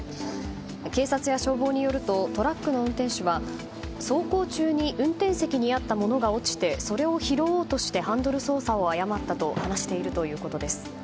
警察や消防によるとトラックの運転手は走行中に運転席にあった物が落ちてそれを拾おうとしてハンドル操作を誤ったと話しているということです。